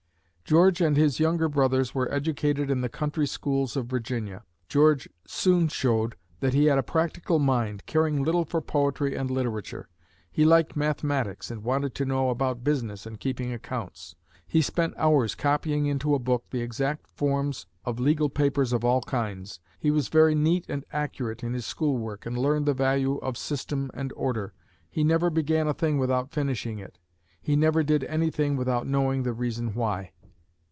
George and his younger brothers were educated in the country schools of Virginia. George soon showed that he had a practical mind, caring little for poetry and literature. He liked mathematics and wanted to know about business and keeping accounts. He spent hours copying into a book the exact forms of legal papers of all kinds. He was very neat and accurate in his school work and learned the value of system and order. He never began a thing without finishing it. He never did anything without knowing the reason why.